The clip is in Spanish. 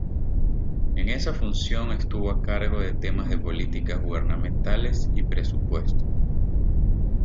En esa función estuvo a cargo de temas de políticas gubernamentales y presupuestos.